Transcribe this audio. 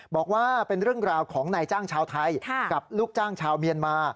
บอกว่าเป็นเรื่องราวของนายจ้างชาวไทยกับลูกจ้างชาวเมียนมา